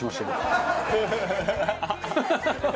ハハハハ！